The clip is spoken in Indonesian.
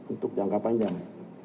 untuk jangka panjang